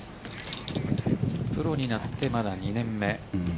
プロになってまだ２年目。